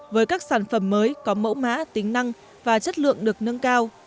với các sản phẩm mới có mẫu mã tính năng và chất lượng được nâng cao